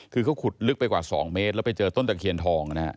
คือเขาขุดลึกไปกว่า๒เมตรแล้วไปเจอต้นตะเคียนทองนะฮะ